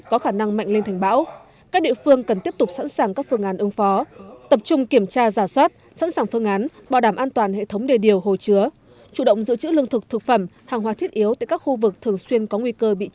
các địa phương cần tiếp tục sẵn sàng các phương án ứng phó tập trung kiểm tra giả soát sẵn sàng phương án bảo đảm an toàn hệ thống đề điều hồ chứa chủ động giữ chữ lương thực thực phẩm hàng hóa thiết yếu tại các khu vực thường xuyên có nguy cơ bị chia cắt kéo dài do mưa lũ